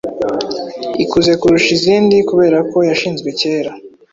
ikuze kurusha izindi kubera ko yashinzwe cyera